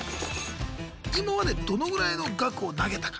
今までどのぐらいの額を投げたか。